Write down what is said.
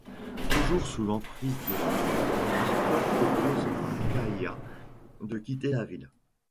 Toujours sous l'emprise de la drogue, Harper propose à Kaia de quitter la ville.